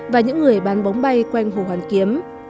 và những người bán bóng bay quanh hồ hoàn kiếm